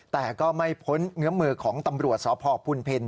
แต่ก็ไม่พ้นเงื้อมือของตำรวจสพพุนเพ็ญ